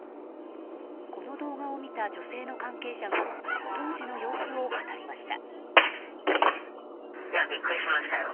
この動画を見た女性の関係者が当時の様子を語りました。